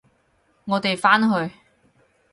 我哋返去！